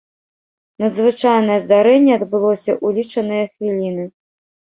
Надзвычайнае здарэнне адбылося ў лічаныя хвіліны.